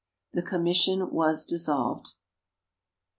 The Commission was dissolved.